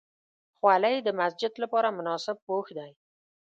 خولۍ د مسجد لپاره مناسب پوښ دی.